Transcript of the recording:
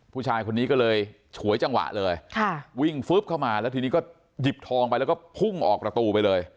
ผู้ชายคนนี้ก็เลยฉวยจังหวะเลยวิ่งฟึ๊บเข้ามาแล้วทีนี้ก็หยิบทองไปแล้วก็พุ่งออกประตูไปเลย